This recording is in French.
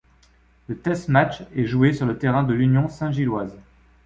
Le test-match est joué sur le terrain de l'Union Saint-Gilloise.